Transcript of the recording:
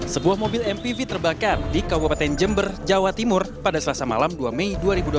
sebuah mobil mpv terbakar di kabupaten jember jawa timur pada selasa malam dua mei dua ribu dua puluh